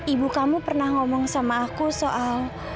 ibu kamu pernah ngomong sama aku soal